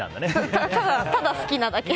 ただ、好きなだけ。